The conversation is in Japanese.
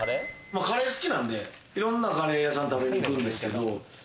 カレー好きなんで、いろんなカレー屋さん、食べに行くんですけど。